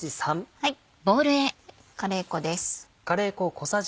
カレー粉です。